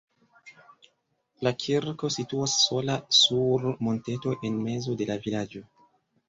La kirko situas sola sur monteto en mezo de la vilaĝo.